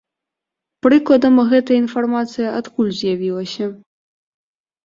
Прыкладам, гэтая інфармацыя адкуль з'явілася?